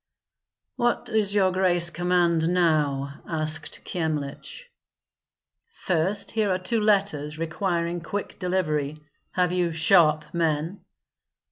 "What does your grace command now?" asked Kyemlich. "First, here are two letters, requiring quick delivery. Have you sharp men?"